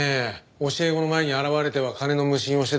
教え子の前に現れては金の無心をしてたそうですよ。